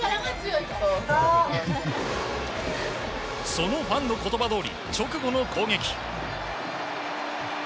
そのファンの言葉どおり直後の攻撃。